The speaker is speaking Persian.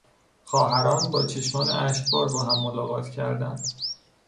خواهران با چشمان اشکبار با هم ملاقات کردند.